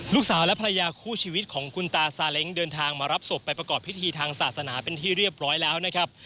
ลูกสาวและภรรยาคู่ชีวิตของคุณตาซาเล้งเดินทางมารับศพไปประกอบพิธีทางศาสนาเป็นที่เรียบร้อยแล้วนะครับ